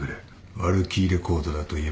ワルキーレ・コードだと言えば分かるはずだ。